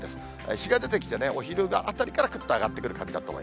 日が出てきて、お昼あたりからくっと上がってくる感じです。